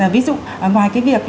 ví dụ ngoài cái việc